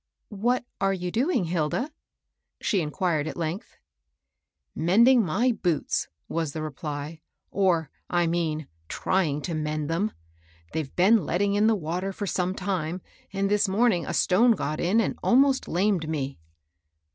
" What are you doing, Hilda? " she inquired at length. " Mending my boots," was the reply ;" or, I mean, trying to mend them. They've been letting in the water for some time, and this morning a stone got in and almost lamed me."